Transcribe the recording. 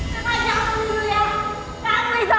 kamu yang penipu